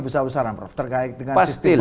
besar besaran prof terkait dengan sistem ini